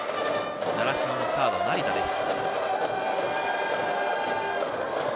習志野のサード、成田です。